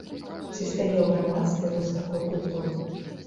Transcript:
Ці стае ў грамадстве вось такой культуры.